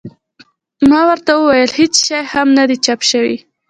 ما ورته وویل هېڅ شی هم نه دي چاپ شوي.